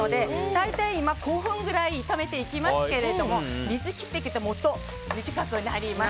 大体今５分くらい炒めていきますけども水を切っておくともっと短くなります。